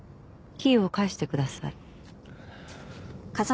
キーを返してください。